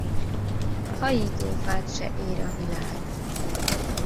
Hajítófát se ér a világ!